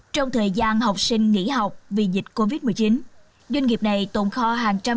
trong thời gian học sinh nghỉ học vì dịch covid một mươi chín doanh nghiệp này tồn kho hàng trăm